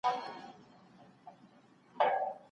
د حمل لرونکي ميرمني سره د جماع کولو اباحت سته.